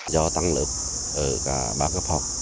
do tăng lớp ở cả ba cấp học